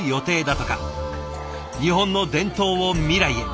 日本の伝統を未来へ。